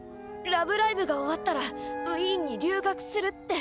「ラブライブ！」が終わったらウィーンに留学するって。